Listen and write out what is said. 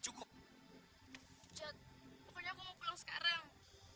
jad pokoknya aku mau pulang sekarang